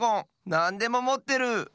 なんでももってる！